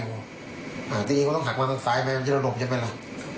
ตอนนี้เขาต้องหักมาข้างซ้ายมันจะละลมจะไม่รัก